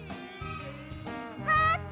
まって！